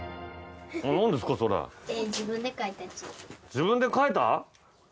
自分でかいた？